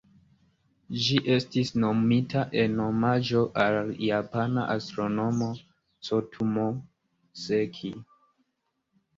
Ĝi estis nomita en omaĝo al la japana astronomo Tsutomu Seki.